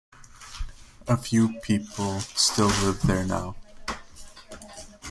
A few people still live there now.